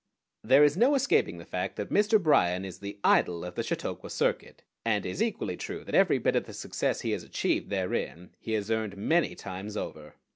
There is no escaping the fact that Mr. Bryan is the idol of the Chautauqua Circuit, and it is equally true that every bit of the success he has achieved therein he has earned many times over.